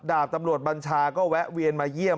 ดาบตำรวจบัญชาก็แวะเวียนมาเยี่ยม